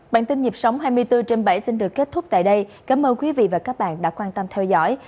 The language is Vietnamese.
bản tin nhịp sống hai mươi bốn trên bảy xin được kết thúc tại đây cảm ơn quý vị và các bạn đã quan tâm theo dõi